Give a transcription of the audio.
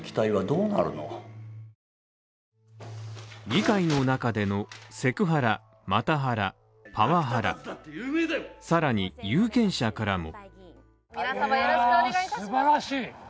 議会の中でのセクハラ、マタハラ、パワハラさらに有権者からも。